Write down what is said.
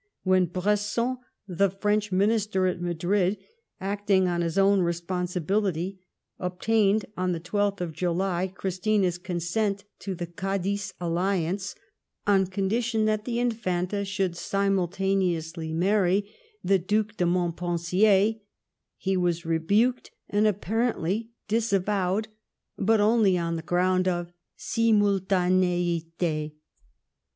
When Bresson, the French Minister at Madrid, acting on his own responsibility, obtained on the 12th of July •ChriBlina's consent to the Cadiz alliance on condition that the Infonta should simultaneously marry the Due 7 * 100 LIFE OF VISCOUNT PALMEB8T0N. de Montpensier, he was rebuked, and apparently dis avowedy bnt only on the ground of simultaniite.